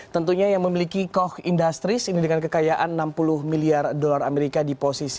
tentunya yang memiliki coch industries ini dengan kekayaan enam puluh miliar dolar amerika di posisi